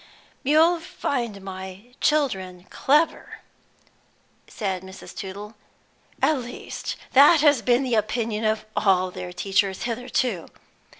"You'll find my children clever," said Mrs. Tootle, "at least, that has been the opinion of all their teachers hitherto.